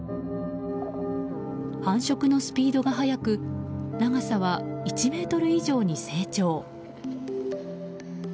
繁殖のスピードが速く長さは１ｍ以上に成長。